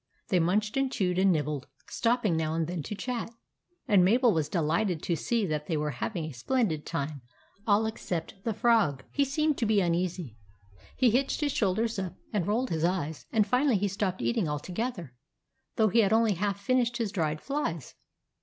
They munched and chewed and nibbled, stopping now and then to chat; and Mabel was delighted to see that they were having a splendid time, all except the 128 THE ADVENTURES OF MABEL Frog. He seemed to be uneasy. He hitched his shoulders up, and rolled his eyes, and finally he stopped eating altogether, though he had only half finished his dried flies.